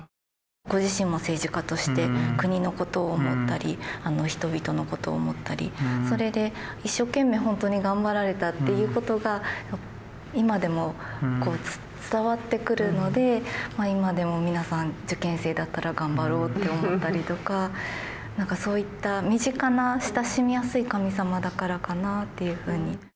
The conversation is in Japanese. ご自身も政治家として国のことを思ったり人々のことを思ったりそれで一生懸命本当に頑張られたっていうことが今でもこう伝わってくるので今でも皆さん受験生だったら頑張ろうって思ったりとかなんかそういった身近な親しみやすい神様だからかなっていうふうに。